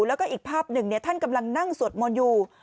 แล้วก็อีกภาพหนึ่งท่านกำลังนั่งสวดมนต์อยู่